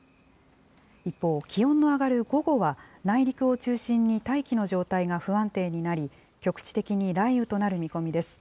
一方、気温の上がる午後は、内陸を中心に大気の状態が不安定になり、局地的に雷雨となる見込みです。